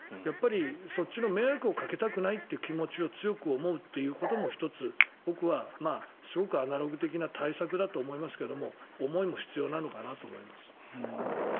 そっちの迷惑をかけたくないという気持ちを強く思うということも１つ僕はすごくアナログ的な対策だとは思いますけど思いも必要なのかなと思います。